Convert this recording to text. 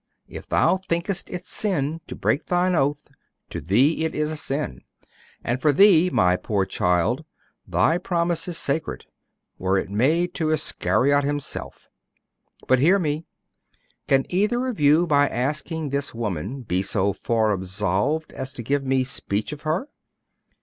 If thou thinkest it sin to break thine oath, to thee it is sin. And for thee, my poor child, thy promise is sacred, were it made to Iscariot himself. But hear me. Can either of you, by asking this woman, be so far absolved as to give me speech of her?